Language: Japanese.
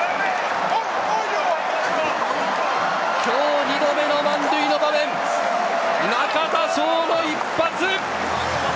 今日２度目の満塁の場面、中田翔の一発。